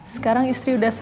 sekarang istrinya udah mati